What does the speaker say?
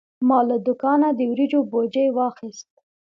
ما له دوکانه د وریجو بوجي واخیست.